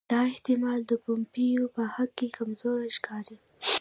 دا احتمال د پومپیو په حق کې کمزوری ښکاري.